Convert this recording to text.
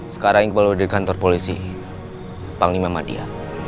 sekarang yang kebaluh ada di kantor polisi paling memang dia